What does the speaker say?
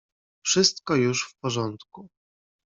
"Wszystko już w porządku."